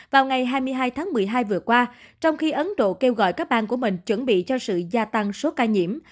vào ngày hai mươi hai tháng một mươi hai vừa qua trong khi ấn độ kêu gọi các bang của mình chuẩn bị cho sự gia tăng số ca nhiễm